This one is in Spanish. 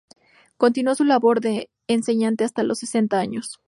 Continuó su labor de enseñante hasta los setenta años.